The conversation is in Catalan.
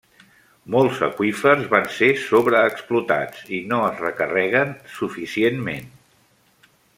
Molts aqüífers van ser sobreexplotats i no es recarreguen suficientment.